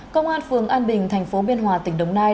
công an phường an bình thành phố biên hòa tỉnh đồng nai